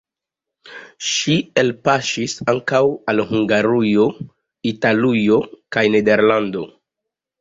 Ŝi elpaŝis ankaŭ al Hungarujo, Italujo kaj Nederlando.